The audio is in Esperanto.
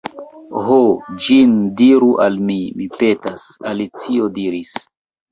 "Ho, ĝin diru al mi, mi petas," Alicio diris.